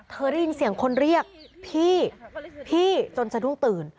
ได้ยินเสียงคนเรียกพี่พี่จนสะดุ้งตื่น